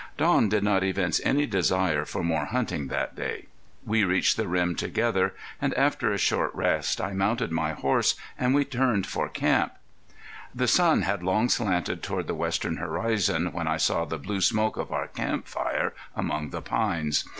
Don did not evince any desire for more hunting that day. We reached the rim together, and after a short rest, I mounted my horse, and we turned for camp. The sun had long slanted toward the western horizon when I saw the blue smoke of our camp fire among the pines.